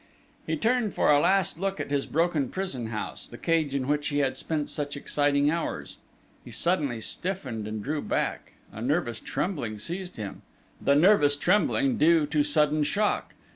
He turned for a last look at his broken prison house, the cage in which he had spent such exciting hours. He suddenly stiffened and drew back: a nervous trembling seized him the nervous trembling due to sudden shock.